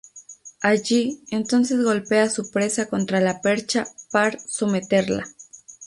Allí entonces golpea su presa contra la percha par someterla.